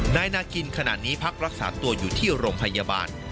นายนาคินขนาดนี้พักรักษาตัวอยู่ที่โรงพยาบาล